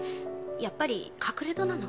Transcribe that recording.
やっぱり隠戸なの？